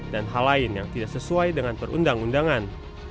hal lain yang tidak sesuai dengan perundang undangan